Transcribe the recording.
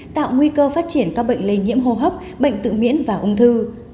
tạo nguy cơ phát triển các bệnh lây nhiễm hô hấp bệnh tự miễn và ung thư